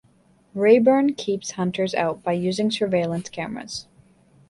Rayburn keeps hunters out by using surveillance cameras.